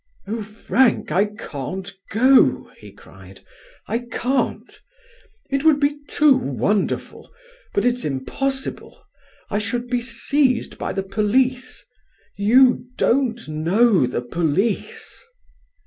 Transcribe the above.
"Oh, Frank, I can't go," he cried, "I can't. It would be too wonderful; but it's impossible. I should be seized by the police. You don't know the police."